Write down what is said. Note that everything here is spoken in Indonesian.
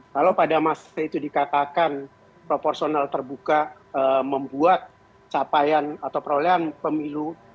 kalau pada masa itu dikatakan proporsional terbuka membuat capaian atau perolehan pemilu